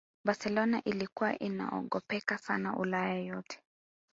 Barcelona ilikuwa inaogopeka sana ulaya yote